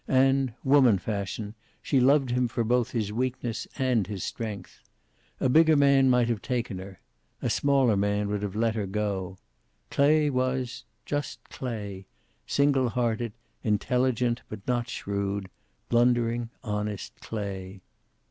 And, woman fashion, she loved him for both his weakness and his strength. A bigger man might have taken her. A smaller man would have let her go. Clay was just Clay; single hearted, intelligent but not shrewd, blundering, honest Clay.